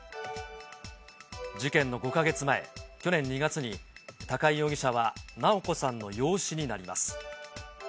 事件の５か月前、去年２月に、高井容疑者は直子さんの養子になります。